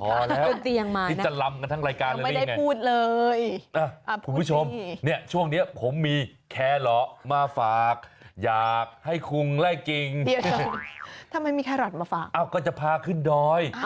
พอแล้วที่จะลำกับรายการเลย